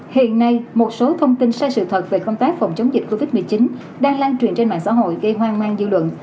hiện nay một số thông tin sai sự thật về công tác phòng chống dịch covid một mươi chín đang lan truyền trên mạng xã hội gây hoang mang dư luận